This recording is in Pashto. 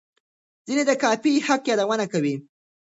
ځینې د کاپي حق یادونه کوي.